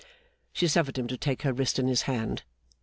She suffered him to take her wrist in his hand.